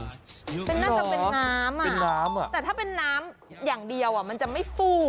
แต่ถ้าเป็นน้ำอย่างเดียวมันจะไม่ฟู